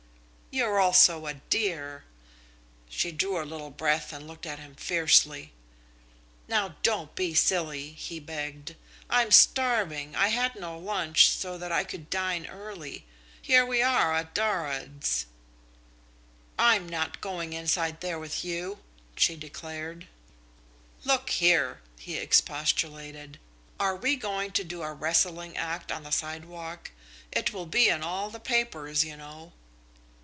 "You're also a dear!" She drew a little breath and looked at him fiercely. "Now don't be silly," he begged. "I'm starving. I had no lunch so that I could dine early. Here we are at Durrad's." "I'm not going inside there with you," she declared. "Look here," he expostulated, "are we going to do a wrestling act on the sidewalk? It will be in all the papers, you know."